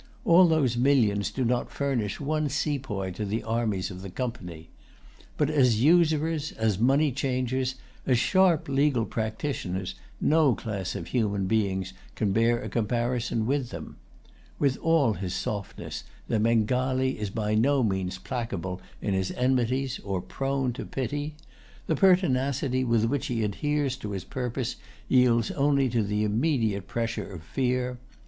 All those millions do not furnish one sepoy to the armies of the Company. But as usurers, as money changers, as sharp legal practitioners, no class of human beings can bear a comparison with them. With all his softness, the Bengalee is by no means placable in his enmities or prone to pity. The pertinacity with which he adheres to his purposes yields only to the immediate pressure of fear.